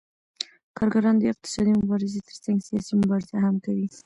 کارګران د اقتصادي مبارزې ترڅنګ سیاسي مبارزه هم کوي